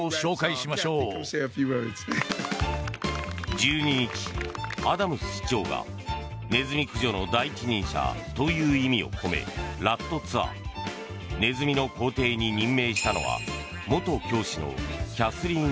１２日、アダムス市長がネズミ駆除の第一人者という意味を込めラット・ツァーネズミの皇帝に任命したのは元教師のキャスリーン